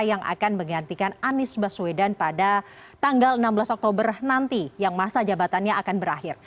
yang akan menggantikan anies baswedan pada tanggal enam belas oktober nanti yang masa jabatannya akan berakhir